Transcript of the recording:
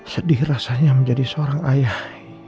sedih rasanya menjadi seorang ayah